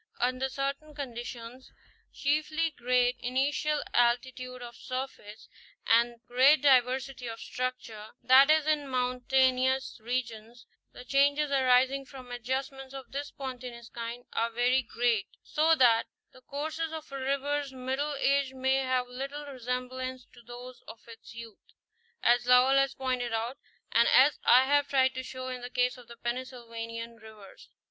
Under certain conditions, chiefly great initial altitude of surface, and great diversity of structure, that is, in mountainous regions, the changes arising from adjustments of this spontaneous kind are very great, so that the courses of a river's middle age may have little resemblance to those of its youth, as Léwl has pointed out and as I have tried to show in the case of the Pennsylvanian rivers.